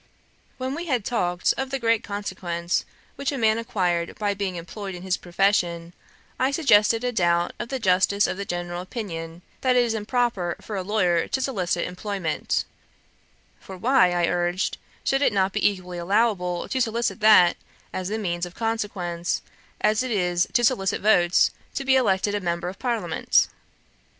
When we had talked of the great consequence which a man acquired by being employed in his profession, I suggested a doubt of the justice of the general opinion, that it is improper in a lawyer to solicit employment; for why, I urged, should it not be equally allowable to solicit that as the means of consequence, as it is to solicit votes to be elected a member of Parliament?